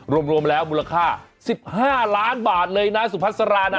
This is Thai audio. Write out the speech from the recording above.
รวมแล้วมูลค่า๑๕ล้านบาทเลยนะสุพัสรานะ